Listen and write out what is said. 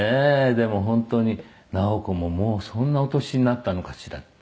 でも本当にナオコももうそんなお年になったのかしらって」